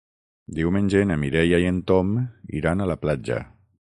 Diumenge na Mireia i en Tom iran a la platja.